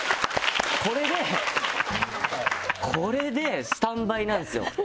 これでこれでスタンバイなんですよ。